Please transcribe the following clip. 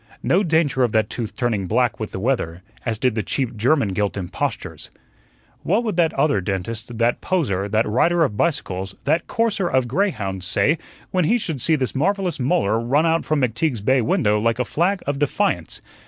No danger of that tooth turning black with the weather, as did the cheap German gilt impostures. What would that other dentist, that poser, that rider of bicycles, that courser of greyhounds, say when he should see this marvellous molar run out from McTeague's bay window like a flag of defiance?